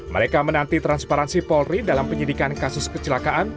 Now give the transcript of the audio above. mereka menanti transparansi polri dalam penyidikan kasus kecelakaan